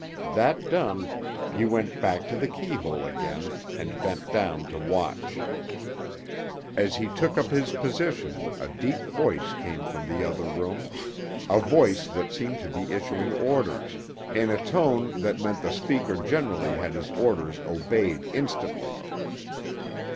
That done, he went back to the keyhole again and bent down to watch. As he took up his position a deep voice came from the other room, a voice that seemed to be issuing orders in a tone that meant the speaker generally had his orders obeyed instantly.